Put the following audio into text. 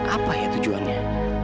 apa ya tujuannya